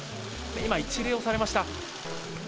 今、一礼をされました。